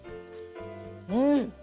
うん！